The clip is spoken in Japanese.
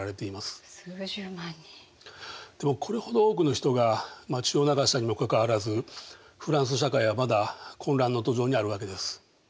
でもこれほど多くの人が血を流したにもかかわらずフランス社会はまだ混乱の途上にあるわけです。